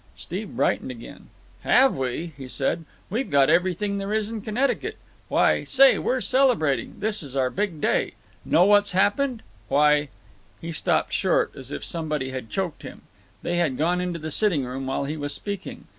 Steve brightened again. "Have we?" he said. "We've got everything there is in Connecticut! Why, say, we're celebrating. This is our big day. Know what's happened? Why—" He stopped short, as if somebody had choked him. They had gone into the sitting room while he was speaking.